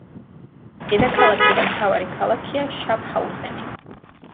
დედაქალაქი და მთავარი ქალაქია შაფჰაუზენი.